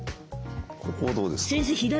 ここどうですか？